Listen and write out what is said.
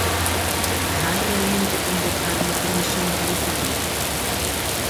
¿Van realmente convocar unha comisión paritaria?